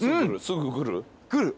すぐくる？